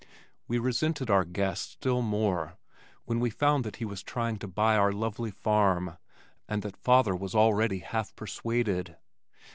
We resented our guest still more when we found that he was trying to buy our lovely farm and that father was already half persuaded.